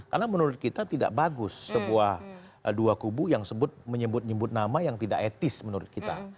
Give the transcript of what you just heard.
karena menurut kita tidak bagus sebuah dua kubu yang sebut menyebut nyebut nama yang tidak etis menurut kita